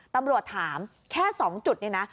ตำรวจถามแค่๒จุดนี่นะ